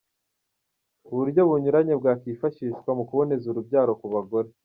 Uburyo bunyuranye bwifashishwa mu kuboneza urubyaro ku bagore.